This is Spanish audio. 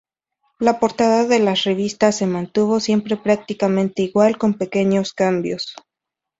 La portada de las revistas se mantuvo siempre prácticamente igual, con pequeños cambios.